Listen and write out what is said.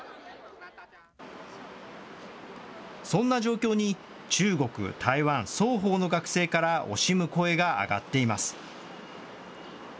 そんな状況に、中国、台湾、双方の学生から惜しむ声が上がっています。